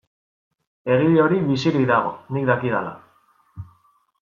Egile hori bizirik dago, nik dakidala.